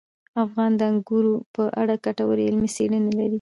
افغانستان د انګورو په اړه ګټورې علمي څېړنې لري.